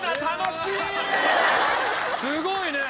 すごいね！